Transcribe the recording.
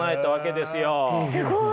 すごい。